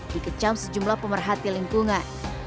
dikecam sejumlah pemerhati lingkungan